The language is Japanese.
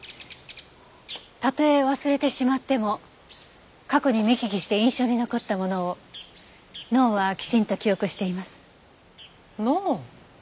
たとえ忘れてしまっても過去に見聞きして印象に残ったものを脳はきちんと記憶しています。